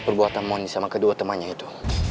perbuatan moni sama kedua temannya itu